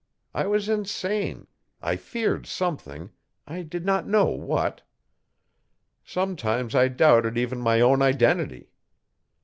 I was insane; I feared something I did not know what. Sometimes I doubted even my own identity.